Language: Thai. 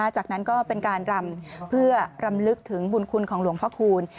จากนั้นก็เป็นการรำเพื่อรำลึกถึงบุญคุณของหลวงพ่อคูณ